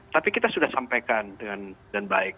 tapi kita sudah sampaikan dan baik